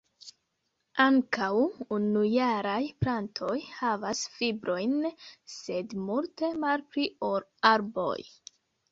Ankaŭ unujaraj plantoj havas fibrojn, sed multe malpli ol arboj.